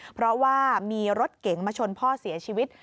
เพราะว่ามีรถเก๋งมาชนพ่อเสียชีวิต